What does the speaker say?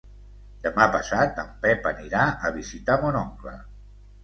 Demà passat en Pep anirà a visitar mon oncle.